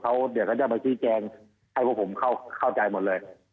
เดี๋ยวก็จะมาชี้แจงให้พวกผมเข้าใจหมดเลย